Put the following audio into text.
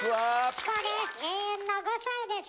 チコです